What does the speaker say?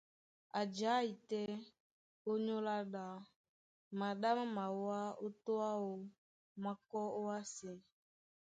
A jái tɛ́ ónyólá ɗá, maɗá má mawá ó tô áō, má kɔ́ ówásē.